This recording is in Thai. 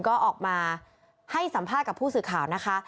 ก็ออกมาให้สัมภาษณ์กับผู้สื่อข่าวนะคะ